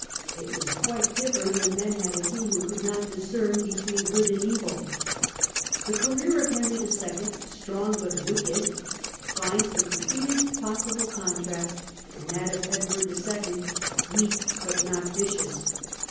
It was quite different when men had a king who could not discern between good and evil. The career of Henry II., strong but wicked, finds the completest possible contrast in that of Edward II., weak but not vicious.